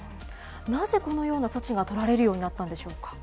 なぜこのような措置が取られるようになったんでしょうか。